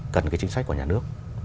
cần cái chính sách của nhà nước